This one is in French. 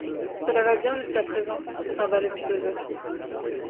Cela va bien jusqu'à présent, observa le philosophe.